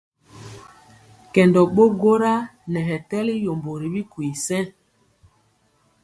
Kɛndɔ ɓo gwora nɛ hɛ tɛli yombo ri bikwi sɛŋ.